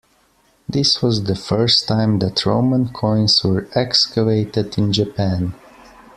This was the first time that Roman coins were excavated in Japan.